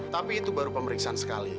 tapi itu baru pemeriksaan sekali